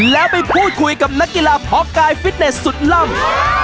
แล้วไปพูดคุยกับนักกีฬาพอกายฟิตเนสสุดล่ำ